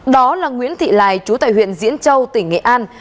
đó là nguyễn thị lài chú tại huyện diễn châu tỉnh nghệ an